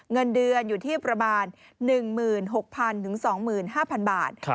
เงินเดือนอยู่ที่ประมาณ๑๖๐๐๐๒๕๐๐บาท